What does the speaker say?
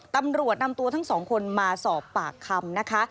ตำรวจนำตัวทั้งสองคนมาสอบปากคำนะคะ